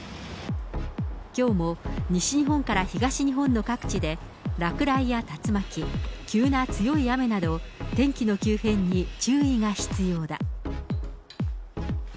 きょうも西日本から東日本の各地で、落雷や竜巻、急な強い雨など、天気の急変に注意が必要だ。